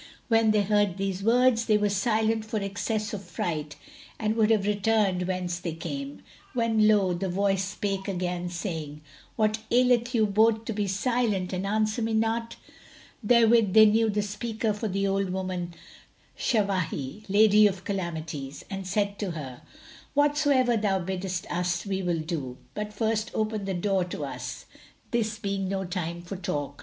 When they heard these words they were silent for excess of fright and would have returned whence they came; when lo! the voice spake again saying, "What aileth you both to be silent and answer me not?" Therewith they knew the speaker for the old woman Shawahi, Lady of Calamities, and said to her, "Whatsoever thou biddest us, that will we do; but first open the door to us; this being no time for talk."